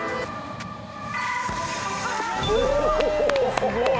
すごい。